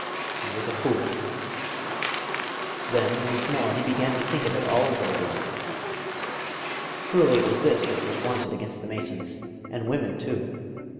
He was a fool.... Then once more he began to think of it all over again. Surely it was this which was wanted against the Masons; and women, too.